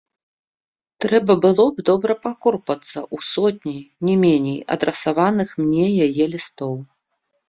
Трэба было б добра пакорпацца ў сотні, не меней, адрасаваных мне яе лістоў.